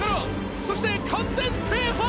そして完全制覇です！